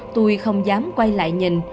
tôi không dám quay lại nhìn